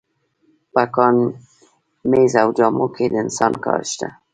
په کان، مېز او جامو کې د انسان کار شته